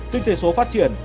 tuyệt thể số phát triển